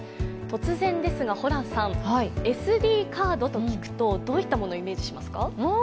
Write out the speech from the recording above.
突然ですがホランさん、ＳＤカードと聞くとどういったものをイメージしますか？